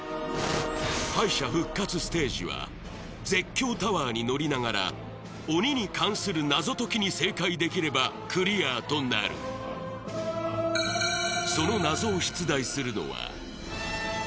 敗者復活ステージは絶叫タワーに乗りながら鬼に関する謎解きに正解できればクリアとなるその謎解き